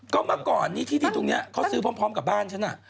ก็เมื่อก่อนนี้ที่ดินตรงนี้เขาซื้อพร้อมกับบ้านฉันน่ะ